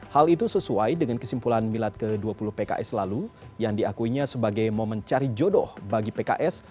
hal itu sesuai dengan kesimpulan milad ke dua puluh pks lalu yang diakuinya sebagai momen cari jodoh bagi pks